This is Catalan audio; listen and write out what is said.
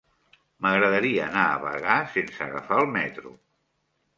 M'agradaria anar a Bagà sense agafar el metro.